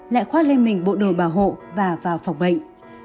lại khoát lên mình bộ đồ bảo hộ và vào phòng bệnh